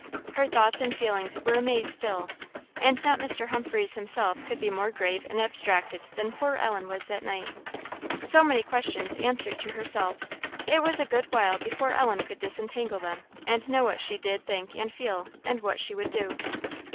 Her thoughts and feelings were a maze still; and not Mr. Humphreys himself could be more grave and abstracted than poor Ellen was that night. So many points were to be settled, so many questions answered to herself, it was a good while before Ellen could disentangle them, and know what she did think and feel, and what she would do.